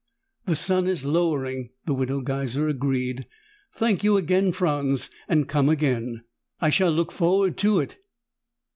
"The sun is lowering," the Widow Geiser agreed. "Thank you again, Franz, and come again." "I shall look forward to it."